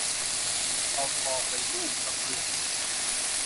เอาทองไปรู่กระเบื้อง